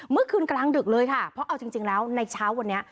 กลางดึกเลยค่ะเพราะเอาจริงแล้วในเช้าวันนี้